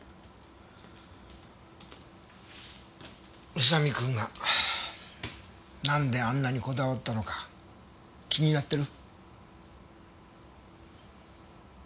宇佐見君がなんであんなにこだわったのか気になってる？